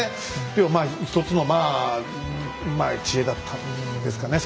でも一つのまあ知恵だったんですかね。